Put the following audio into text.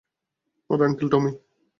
আরে, আঙ্কেল টমি!